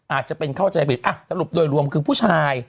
อาจจะเป็นเข้าใจผิดสรุปโดยรวมคือผู้ชาย